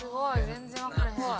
全然分からへん。